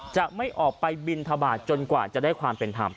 จะไม่ออกไปบินทบาทจนกว่าจะได้ความเป็นธรรม